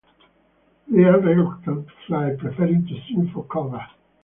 They are reluctant to fly, preferring to swim for cover.